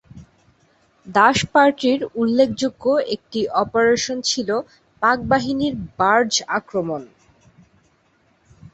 দাস পার্টির উল্লেখযোগ্য একটি অপারেশন ছিল পাকবাহিনীর বার্জ আক্রমণ।